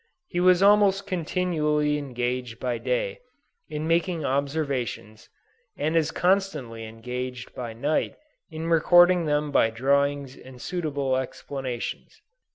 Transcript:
He was almost continually engaged by day in making observations, and as constantly engaged by night in recording them by drawings and suitable explanations."